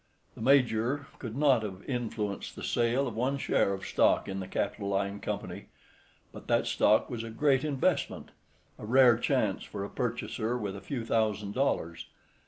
The Major could not have influenced the sale of one share of stock in the Capitoline Company. But that stock was a great investment; a rare chance for a purchaser with a few thousand dollars.